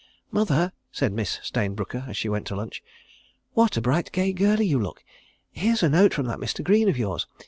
... "Mother!" said Miss Stayne Brooker, as she went in to lunch. "What a bright, gay girlie you look! ... Here's a note from that Mr. Greene of yours.